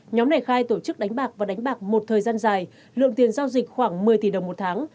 nhóm này khai tổ chức đánh bạc và đánh bạc một thời gian dài lượng tiền giao dịch khoảng một mươi tỷ đồng một tháng